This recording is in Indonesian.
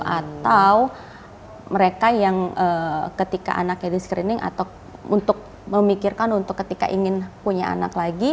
atau mereka yang ketika anaknya di screening atau untuk memikirkan untuk ketika ingin punya anak lagi